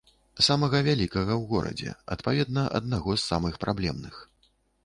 Самага вялікага ў горадзе, адпаведна, аднаго з самых праблемных.